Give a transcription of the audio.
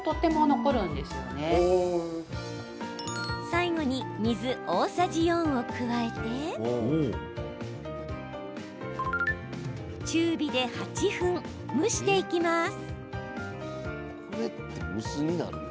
最後に水、大さじ４を加えて中火で８分、蒸していきます。